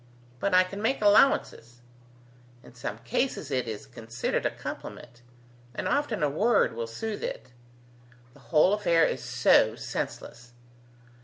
But I can make allowances. In some cases, it is considered a compliment; and often a word will soothe it. The whole affair is so senseless!